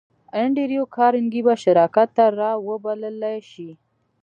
انډریو کارنګي به شراکت ته را وبللای شې